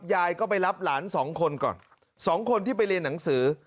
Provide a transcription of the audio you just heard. ยายก็ไปรับหลานสองคนก่อนสองคนที่ไปเรียนหนังสือ